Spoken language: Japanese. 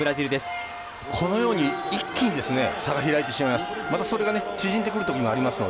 このように一気に差が開いてしまいます。